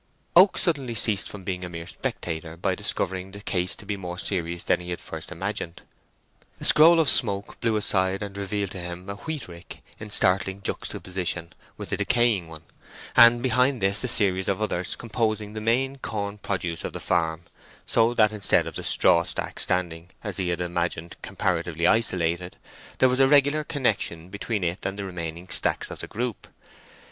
Oak suddenly ceased from being a mere spectator by discovering the case to be more serious than he had at first imagined. A scroll of smoke blew aside and revealed to him a wheat rick in startling juxtaposition with the decaying one, and behind this a series of others, composing the main corn produce of the farm; so that instead of the straw stack standing, as he had imagined comparatively isolated, there was a regular connection between it and the remaining stacks of the group.